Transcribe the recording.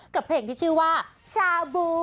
กับเพลงที่ชื่อว่าชาบู